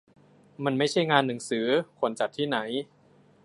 มันไม่ใช่งานหนังสือควรจัดที่ไหน